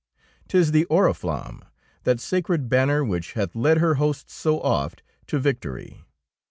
'Tis the Oriflamme, that sacred banner which hath led her hosts so oft to victory.